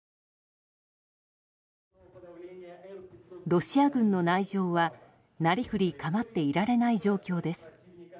ロシア軍の内情は、なりふり構っていられない状況です。